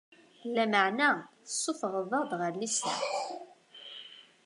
Lameɛna, tessufɣeḍ-aɣ-d ɣer listeɛ.